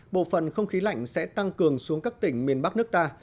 bộ phận không khí lạnh sẽ tăng cường xuống các tỉnh miền bắc nước ta